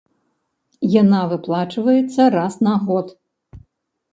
Яна выплачваецца раз на год.